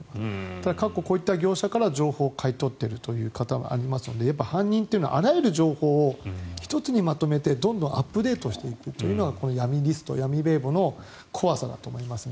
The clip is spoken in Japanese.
ただ、過去こういった業者から情報を買い取った方というのがありますので犯人というのはあらゆる情報を１つにまとめてどんどんアップデートしていくのが闇リスト、闇名簿の怖さだと思います。